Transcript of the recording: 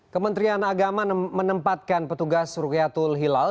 kementerian agama menempatkan petugas rukyatul hilal